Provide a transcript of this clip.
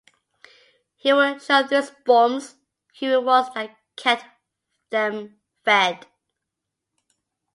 He would show these bums who it was that kept them fed.